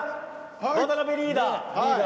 渡辺リーダー。